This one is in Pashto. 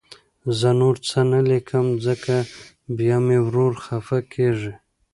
زه نور څه نه لیکم، ځکه بیا مې ورور خفه کېږي